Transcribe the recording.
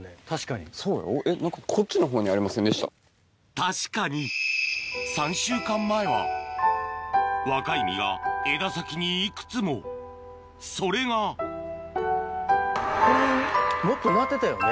確かに３週間前は若い実が枝先にいくつもそれがこの辺もっとなってたよね？